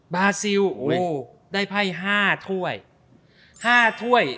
บาซิลได้ไฟ๕ถ้วย